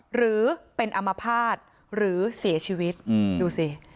หรือเป็นอมภาษณ์หรือเสียชีวิตดูสิ